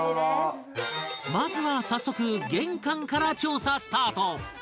まずは早速玄関から調査スタート